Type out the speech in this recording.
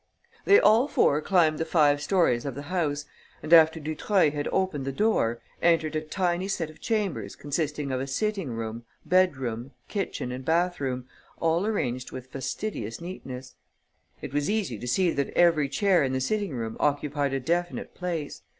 They all four climbed the five storys of the house and, after Dutreuil had opened the door, entered a tiny set of chambers consisting of a sitting room, bedroom, kitchen and bathroom, all arranged with fastidious neatness. It was easy to see that every chair in the sitting room occupied a definite place.